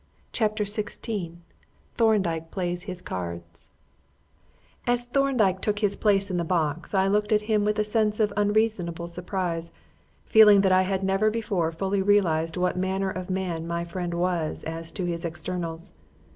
CHAPTER XVI THORNDYKE PLAYS HIS CARD As Thorndyke took his place in the box I looked at him with a sense of unreasonable surprise, feeling that I had never before fully realised what manner of man my friend was as to his externals.